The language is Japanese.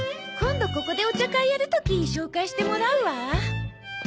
今度ここでお茶会やる時紹介してもらうわ。